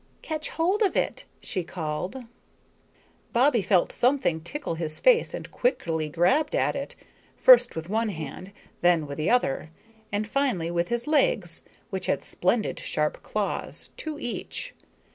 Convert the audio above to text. "Catch hold of it," she called. Bobbie felt something tickle his face and quickly grabbed at it, first with one hand, then with the other, and finally with his legs, which had splendid sharp claws, two each.